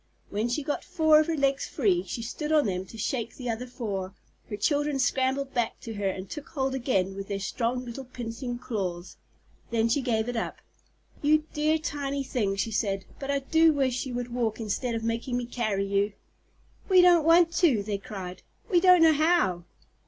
When she got four of her legs free, and stood on them to shake the other four, her children scrambled back to her and took hold again with their strong little pinching claws. Then she gave it up. "You dear tiny things!" she said. "But I do wish you would walk instead of making me carry you." "We don't want to!" they cried; "we don't know how."